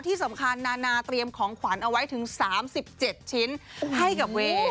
ที่สำคัญนานาเตรียมของขวัญเอาไว้ถึง๓๗ชิ้นให้กับเวย์